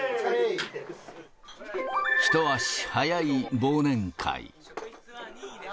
一足早い忘年会。